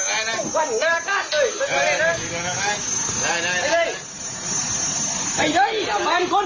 ทนเขาออกไปก่อน